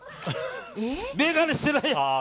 眼鏡してない。